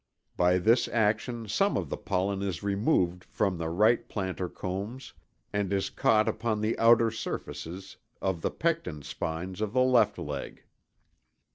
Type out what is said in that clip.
By this action some of the pollen is removed from the right plantar combs and is caught upon the outer surfaces of the pecten spines of the left leg.